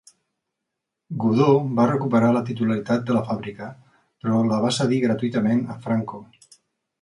Godó va recuperar la titularitat de la fàbrica però la va cedir gratuïtament a Franco.